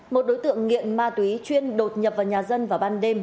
một đối tượng nghiện ma túy chuyên đột nhập vào nhà dân vào ban đêm